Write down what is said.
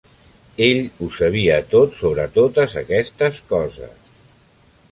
Ell ho sabia tot sobre totes aquestes coses.